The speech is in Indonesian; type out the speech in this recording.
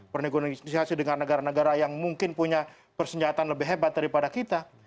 bernegosiasi dengan negara negara yang mungkin punya persenjataan lebih hebat daripada kita